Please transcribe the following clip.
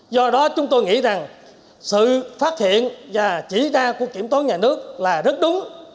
do đó chúng tôi nghĩ rằng sự phát hiện và chỉ ra của kiểm toán nhà nước là rất đúng